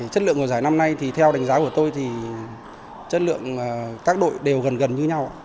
chất lượng của giải năm nay thì theo đánh giá của tôi thì chất lượng các đội đều gần gần như nhau